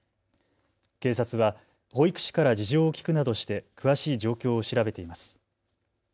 警察は保育士から事情を聞くなどして詳しい状況を調べています。